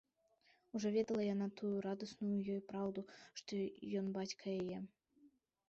Ужо ведала яна тую радасную ёй праўду, што ён бацька яе.